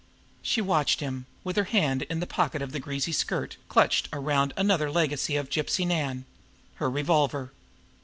She watched him, with her hand in the pocket of her greasy skirt clutched around another legacy of Gypsy Nan her revolver.